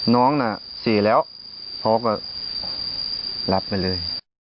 น้องน่ะเสียแล้วพ่อก็รับไปเลย